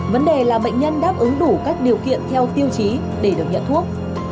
vấn đề là bệnh nhân đáp ứng đủ các điều kiện theo tiêu chí để được nhận thuốc